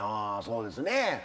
あそうですね。